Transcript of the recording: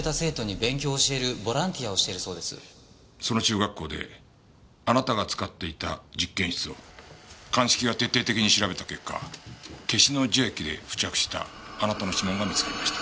その中学校であなたが使っていた実験室を鑑識が徹底的に調べた結果ケシの樹液で付着したあなたの指紋が見つかりました。